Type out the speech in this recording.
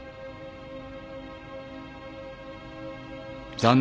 残念。